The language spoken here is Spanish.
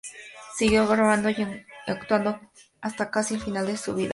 Siguió grabando y actuando hasta casi el final de su vida.